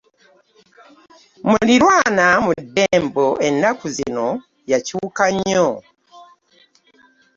Muliraanwa mu ddembo ennaku zino yakyuka nnyo.